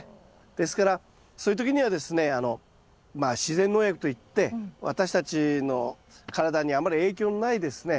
ですからそういう時にはですねまあ自然農薬といって私たちの体にあんまり影響のないですね